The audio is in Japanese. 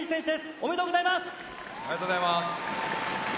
おめでとうございます。